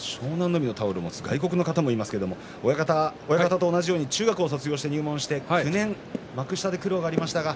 海のタオルを持った外国の方もいますが親方と同じように中学を卒業して入門して９年幕下で苦労がありました